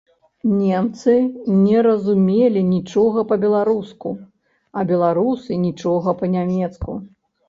Немцы не разумелі нічога па-беларуску, а беларусы нічога па-нямецку.